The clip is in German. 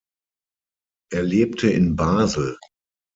Er lebte in Basel.